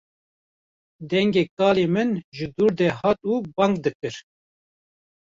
Dengê kalê min ji dûr de hat û bang dikir